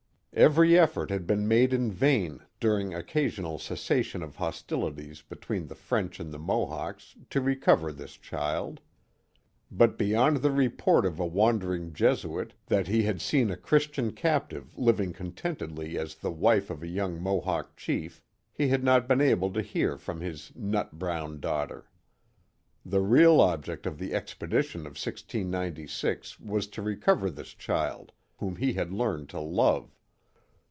Every effort had been made in vain during occasional ces sations of hostilities between the French and the Mohawks to recover this child. But beyond the report of a wandering Jesuit, that he had seen a Christian captive living contentedly as the wife of a young Mohawk chief, he had not been able to hear from his nut brown daughter. The real object of the expedition of 1696 was to recover this child, whom he had learned to love.